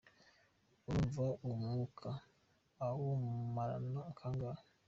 Urumva uwo mwuka uwumarana kangahe ?